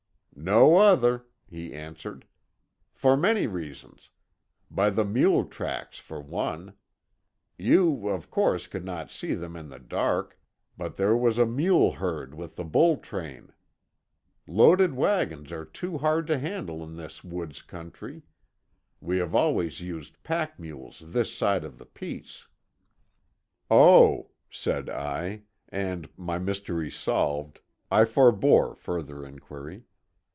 "No other," he answered. "For many reasons. By the mule tracks, for one. You, of course, could not see them in the dark, but there was a mule herd with the bull train. Loaded wagons are too hard to handle in this woods country. We have always used pack mules this side of the Peace." "Oh," said I, and, my mystery solved, I forbore further inquiry.